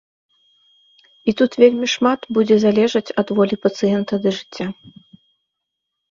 І тут вельмі шмат будзе залежаць ад волі пацыента да жыцця.